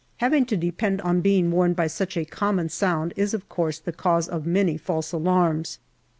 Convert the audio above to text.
Having to depend on being warned by such a common sound is of course the cause of many false alarms.